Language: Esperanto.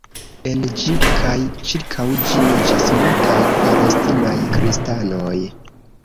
En ĝi kaj ĉirkaŭ ĝi loĝas multaj palestinaj kristanoj.